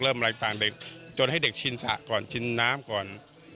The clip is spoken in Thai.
เริ่มอะไรต่างจนให้เด็กชินสระก่อนชินน้ำก่อน